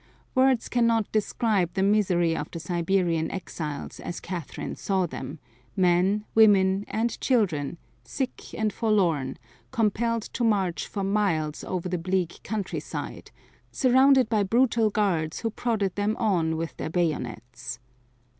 Words cannot describe the misery of the Siberian exiles as Catherine saw them men, women and children, sick and forlorn, compelled to march for miles over the bleak countryside, surrounded by brutal guards who prodded them on with their bayonets.